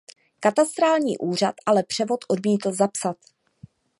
Katastrální úřad ale převod odmítl zapsat.